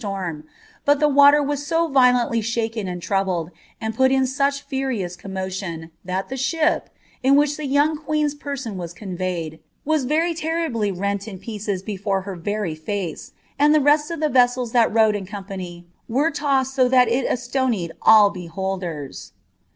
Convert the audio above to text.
SOD the water waa so violently shaken aiid troubled, and put in such fu is commotion, tbai the ahip, in which llie yount; queen'i person waa veyed, was very terribly rent in pieces before her very face, and the of the veseel^ that rode in company were tossed ao tlial it asionied seholdera.'